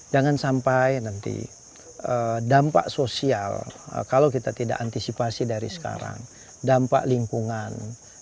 jangan sampai nanti dampak sosial kalau kita tidak antisipasi dari sekarang dampak lingkungan